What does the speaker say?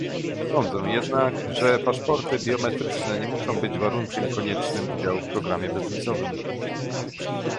Sądzę jednak, że paszporty biometryczne nie muszą być warunkiem koniecznym udziału w programie bezwizowym